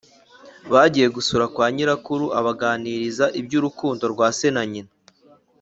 Bagiye gusura kwa nyirakuru abaganiriza ibyurukondo rwa se na nyina